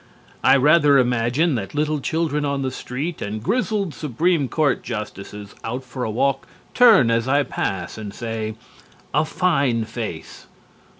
I rather imagine that little children on the street and grizzled Supreme Court justices out for a walk turn as I pass and say "A fine face.